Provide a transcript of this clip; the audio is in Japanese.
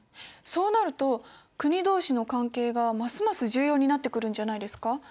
そうなると国同士の関係がますます重要になってくるんじゃないですか？